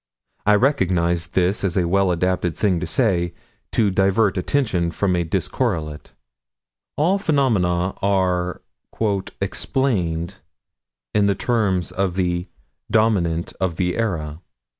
I recognize this as a well adapted thing to say, to divert attention from a discorrelate. All phenomena are "explained" in the terms of the Dominant of their era.